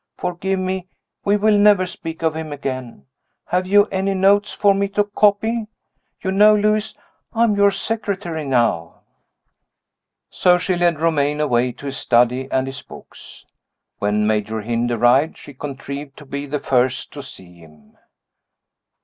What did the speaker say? Forgive me; we will never speak of him again. Have you any notes for me to copy? You know, Lewis, I am your secretary now." So she led Romayne away to his study and his books. When Major Hynd arrived, she contrived to be the first to see him.